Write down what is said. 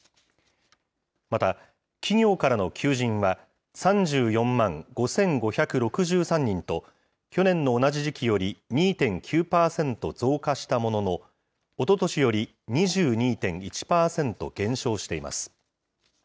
また、企業からの求人は、３４万５５６３人と、去年の同じ時期より２．９％増加したものの、おととしより２２．１％減少しています。